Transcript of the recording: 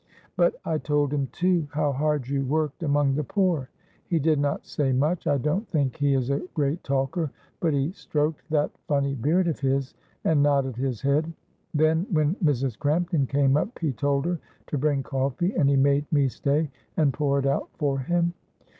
But I told him, too, how hard you worked among the poor He did not say much. I don't think he is a great talker, but he stroked that funny beard of his and nodded his head. Then when Mrs. Crampton came up he told her to bring coffee, and he made me stay and pour it out for him.